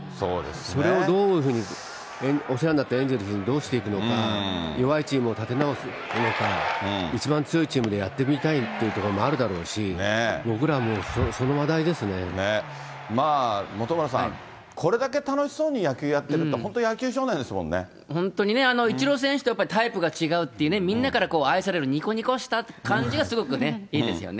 それをどういうふうにお世話になったエンゼルスにどうしていくのか、弱いチームを立て直すのか、一番強いチームでやってみたいというところもあるだろうし、本村さん、これだけ楽しそうに野球やってると、本当にね、イチロー選手とやっぱりタイプが違うってね、みんなから愛される、にこにこした感じがすごくね、いいですよね。